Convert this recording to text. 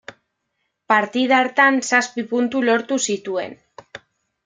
Partida hartan zazpi puntu lortu zituen.